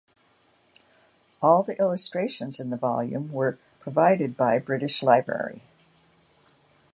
All the illustrations in the volume were provided by British Library.